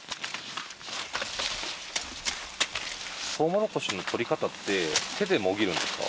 トウモロコシのとり方って手でもぎるんですか？